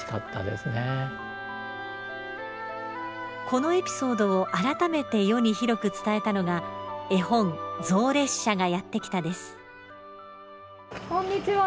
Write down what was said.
このエピソードを改めて世に広く伝えたのが絵本「ぞうれっしゃがやってきた」です。